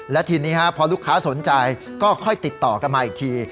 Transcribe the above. และทีนี้พอลูกค้าสนใจก็ค่อยติดต่อกันมาอีกที